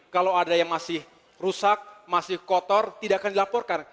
kalau ada yang masih rusak masih kotor tidak akan dilaporkan